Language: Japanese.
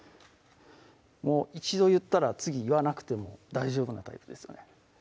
一度言ったら次言わなくても大丈夫なタイプですよね